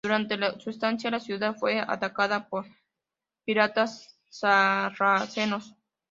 Durante su estancia, la ciudad fue atacada por piratas sarracenos.